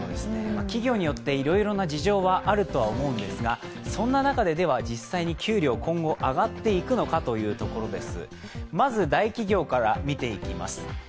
企業によっていろいろな事情はあるとは思うんですがそんな中で、では実際に給料、上がっていくのかというところです。